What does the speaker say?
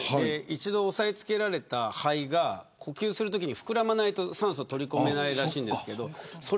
一度、押さえ付けられた肺が呼吸をするときに膨らまないと酸素を取り込めないらしいです。